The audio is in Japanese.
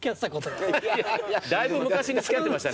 だいぶ昔に付き合ってましたね。